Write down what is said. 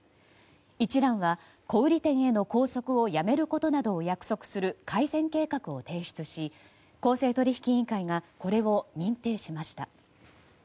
一蘭は、小売店への拘束をやめることなどを約束する、改善計画を提出し公正取引委員会がこれを認定しました。